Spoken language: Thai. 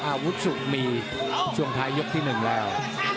อาหุดสุขมีช่วงท้ายกที่หนึ่งแล้ว